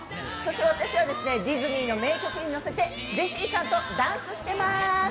私はディズニーの名曲にのせてジェシーさんとダンスしてます。